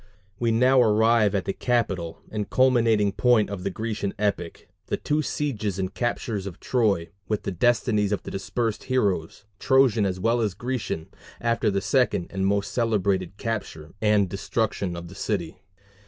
We now arrive at the capital and culminating point of the Grecian epic the two sieges and captures of Troy, with the destinies of the dispersed heroes, Trojan as well as Grecian, after the second and most celebrated capture and destruction of the city.